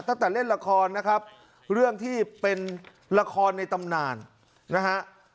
ตั้งแต่เล่นละครนะครับเรื่องที่เป็นละครในตำนานนะฮะ